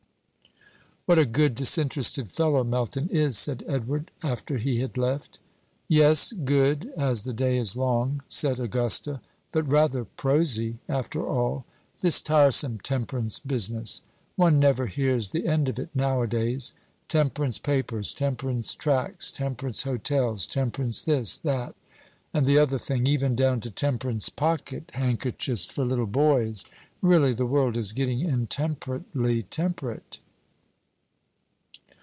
"What a good disinterested fellow Melton is!" said Edward, after he had left. "Yes, good, as the day is long," said Augusta, "but rather prosy, after all. This tiresome temperance business! One never hears the end of it nowadays. Temperance papers temperance tracts temperance hotels temperance this, that, and the other thing, even down to temperance pocket handkerchiefs for little boys! Really, the world is getting intemperately temperate."